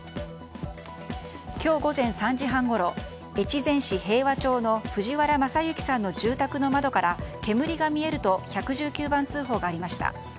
今日午前３時半ごろ越前市平和町の藤原正幸さんの住宅の窓から煙が見えると１１９番通報がありました。